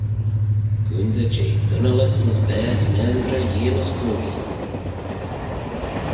Coontey jeh dunnallys as baase maynrey Yamys Covey.